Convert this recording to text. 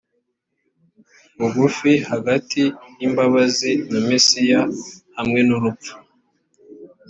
bugufi hagati y imbabazi na mesiya hamwe n urupfu